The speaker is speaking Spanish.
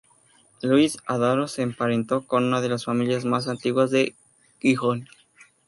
Luis Adaro se emparentó con una de las familias más antiguas de Gijón.